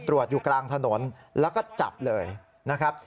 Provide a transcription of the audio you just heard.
อยู่กลางถนนแล้วก็จับเลยนะครับ